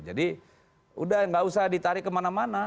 jadi sudah tidak usah ditarik kemana mana